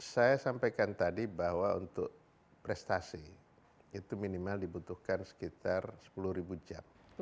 saya sampaikan tadi bahwa untuk prestasi itu minimal dibutuhkan sekitar sepuluh jam